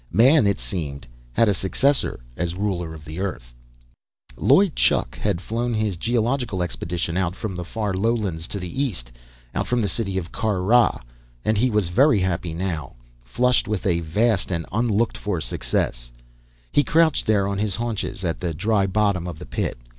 Man, it seemed, had a successor, as ruler of the Earth. Loy Chuk had flown his geological expedition out from the far lowlands to the east, out from the city of Kar Rah. And he was very happy now flushed with a vast and unlooked for success. He crouched there on his haunches, at the dry bottom of the Pit.